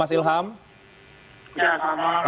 ya selamat malam